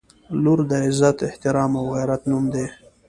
• لور د عزت، احترام او غیرت نوم دی.